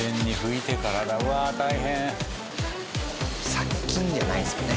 殺菌じゃないですもんね